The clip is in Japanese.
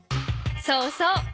そうそう。